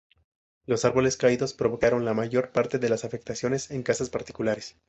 Los árboles caídos provocaron la mayor parte de las afectaciones en casas particulares.